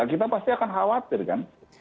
kita pasti akan khawatir kan